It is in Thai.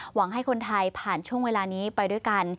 หวังให้คนไทยผ่านช่วงเวลานี้ไปด้วยกัน